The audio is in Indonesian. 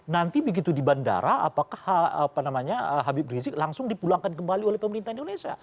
nanti begitu di bandara apakah habib rizik langsung dipulangkan kembali oleh pemerintah indonesia